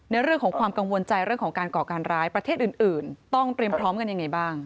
เรื่องของความกังวลใจเรื่องของการก่อการร้ายประเทศอื่นต้องเตรียมพร้อมกันยังไงบ้าง